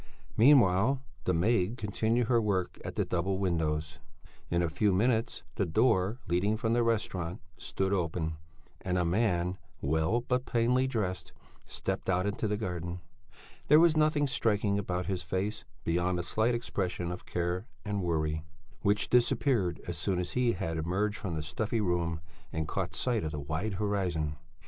Meanwhile, the maid continued her work at the double windows; in a few minutes the door leading from the restaurant stood open, and a man, well but plainly dressed, stepped out into the garden. There was nothing striking about his face beyond a slight expression of care and worry which disappeared as soon as he had emerged from the stuffy room and caught sight of the wide horizon.